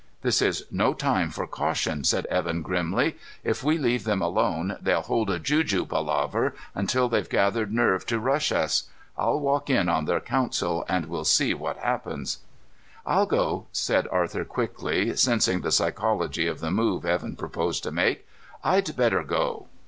"This is no time for caution," said Evan grimly. "If we leave them alone, they'll hold a juju palaver until they've gathered nerve to rush us. I'll walk in on their council, and we'll see what happens." "I'll go," said Arthur, quickly sensing the psychology of the move Evan proposed to make. "I'd better go."